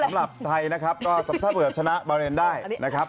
สำหรับไทยนะครับถ้าเกิดชนะบาร์เนียนได้นะครับ